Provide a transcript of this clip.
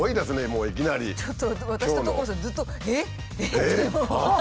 ずっと「えっ？えっ？」